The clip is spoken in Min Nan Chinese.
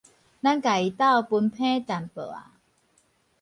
咱共伊鬥分伻淡薄仔